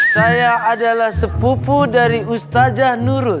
saya adalah sepupu dari ustazah nurul